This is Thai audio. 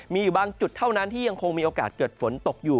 มีอยู่บางจุดเท่านั้นที่ยังคงมีโอกาสเกิดฝนตกอยู่